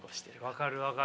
分かる分かる。